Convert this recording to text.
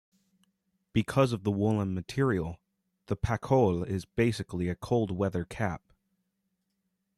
Because of the woolen material, the pakol is basically a cold weather cap.